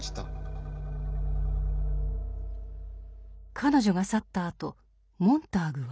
彼女が去ったあとモンターグは？